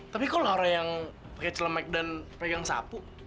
tapi kok lah orang yang pake celemek dan pegang sapu